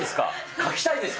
描きたいですか？